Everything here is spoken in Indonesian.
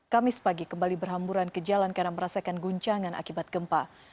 kamis pagi kembali berhamburan ke jalan karena merasakan guncangan akibat gempa